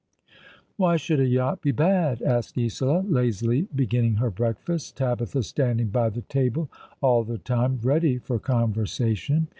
" Why should a yacht be bad ?" asked Isola, lazily begin ning her breakfast, Tabitha standing by the table all the time, ready for conversation.